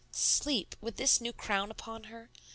Sleep! With this new crown upon her!